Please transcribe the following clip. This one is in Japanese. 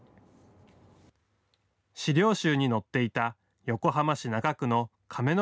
資料集に載っていた横浜市中区の亀之